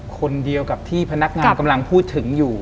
คนเดียวกับที่พนักงานกำลังพูดถึงอยู่